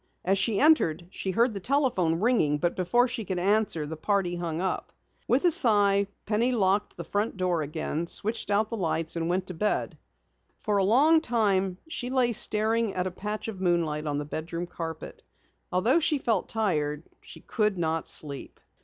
As she entered, she heard the telephone ringing, but before she could answer, the party hung up. With a sigh Penny locked the front door again, switched out the lights and went to bed. For a long while she lay staring at a patch of moonlight on the bedroom carpet. Although she felt tired she could not sleep.